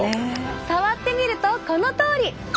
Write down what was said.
触ってみるとこのとおり！